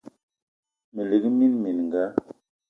Me lik mina mininga